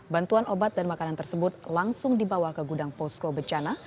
bantuan obat dan makanan tersebut langsung dibawa ke gudang posko bencana